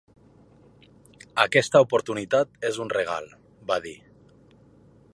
Aquesta oportunitat és un regal, va dir.